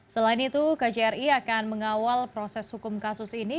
selain itu kjri akan mengawal proses hukum kasus ini